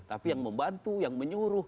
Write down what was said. tapi yang membantu yang menyuruh